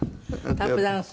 タップダンス？